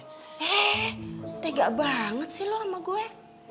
eh tega banget sih lo sama gue